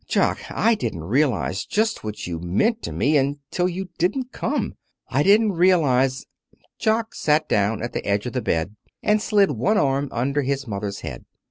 Jock, I didn't realize just what you meant to me until you didn't come. I didn't realize " Jock sat down at the edge of the bed, and slid one arm under his mother's head.